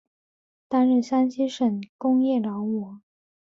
担任山西省工业劳模。